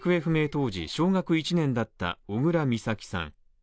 当時小学１年だった小倉美咲さん。